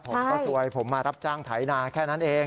ผมก็ซวยผมมารับจ้างไถนาแค่นั้นเอง